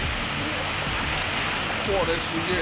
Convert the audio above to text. これすげえ。